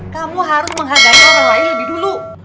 kamu harus menghargai orang lain lebih dulu